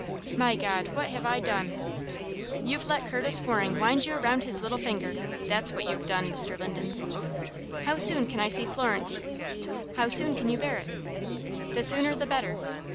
"My God! what have I done?" "You've let Curtis Waring wind you around his little finger that's what you've done, Mr. Linden." "How soon can I see Florence?" "How soon can you bear it?" "The sooner the better."